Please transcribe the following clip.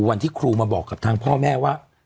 วันที่ครูมาบอกกับทางพ่อแม่ว่า